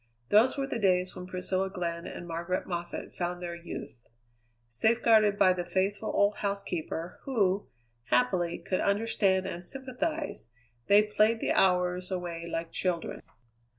Those were the days when Priscilla Glenn and Margaret Moffatt found their youth. Safeguarded by the faithful old housekeeper, who, happily, could understand and sympathize, they played the hours away like children.